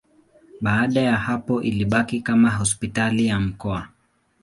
Baada ya hapo ilibaki kama hospitali ya mkoa.